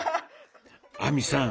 亜美さん